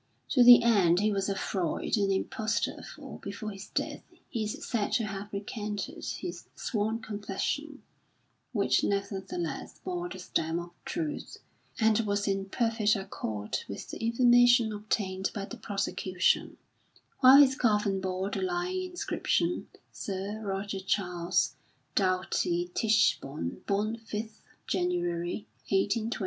To the end he was a fraud and impostor for, before his death, he is said to have recanted his sworn confession, which nevertheless bore the stamp of truth and was in perfect accord with the information obtained by the prosecution, while his coffin bore the lying inscription: "Sir Roger Charles Doughty Tichborne; born 5th January, 1829; died 1st April, 1898." VII. WOMEN AS MEN A.